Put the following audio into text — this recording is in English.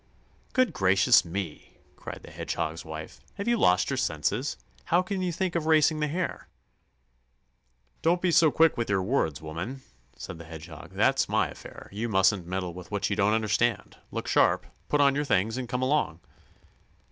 "Good gracious me!" cried the Hedgehog's wife. "Have you lost your senses? How can you think of racing the Hare?" "Don't be so quick with your words, woman," said the Hedgehog. "That's my affair; you mustn't meddle with what you don't understand. Look sharp; put on your things, and come along."